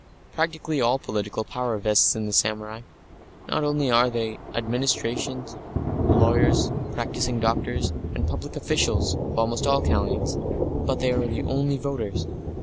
Practically all political power vests in the samurai. Not only are they the only administrators, lawyers, practising doctors, and public officials of almost all kinds, but they are the only voters.